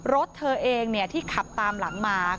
รถเธอเองที่ขับตามหลังมา